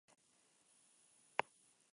El límite con Langreo lo forma el río Villar.